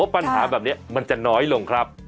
ปัญหาแบบนี้มันจะน้อยลงครับ